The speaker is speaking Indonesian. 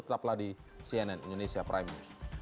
tetaplah di cnn indonesia prime